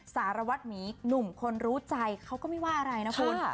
สารวัตรหมีหนุ่มคนรู้ใจเขาก็ไม่ว่าอะไรนะคุณ